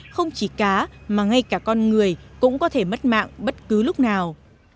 không chỉ cá mà ngay cả con người cũng có thể mất mạng bất cứ lúc nào